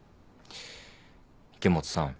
池本さん。